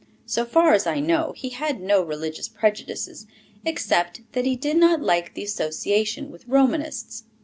So far as I know, he had no religious prejudices, except that he did not like the association with Romanists.